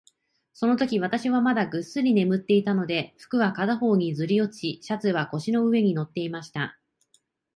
そのとき、私はまだぐっすり眠っていたので、服は片方にずり落ち、シャツは腰の上に載っていました。